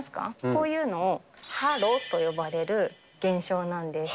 こういうのをハロと呼ばれる現象なんです。